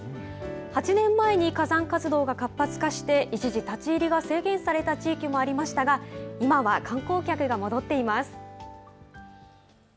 ８年前に火山活動が活発化して一時、立ち入りが制限された地域もありましたが今は観光客が戻っています。